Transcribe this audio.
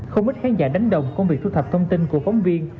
không ít khán giả đánh đồng công việc thu thập thông tin của phóng viên